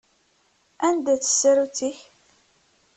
Anda-tt tsarut-ik?